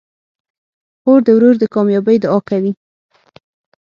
خور د ورور د کامیابۍ دعا کوي.